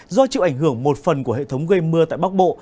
do chịu ảnh hưởng một phần của hệ thống gây mưa tại bắc bộ